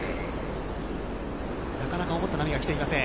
なかなか思った波が来ていません。